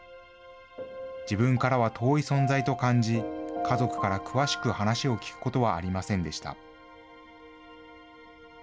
自分からは遠い存在と感じ、家族から詳しく話を聞くことはありませんでした。